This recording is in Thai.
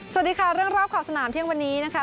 สวัสดีค่ะเรื่องรอบขอบสนามเที่ยงวันนี้นะคะ